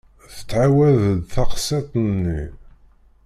Tettɛawad-d teqsiṭ-nni.